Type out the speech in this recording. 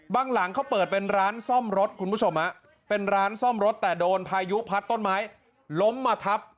หลังเขาเปิดเป็นร้านซ่อมรถคุณผู้ชมเป็นร้านซ่อมรถแต่โดนพายุพัดต้นไม้ล้มมาทับ